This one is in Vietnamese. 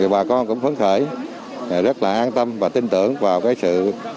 bà con cũng phấn khởi rất là an tâm và tin tưởng vào cái sự